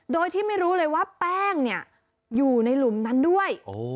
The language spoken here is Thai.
โดยที่ไม่รู้เลยว่าแป้งเนี่ยอยู่ในหลุมนั้นด้วย